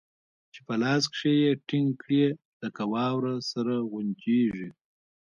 چې په لاس کښې يې ټينګ کړې لکه واوره سره غونجېږي.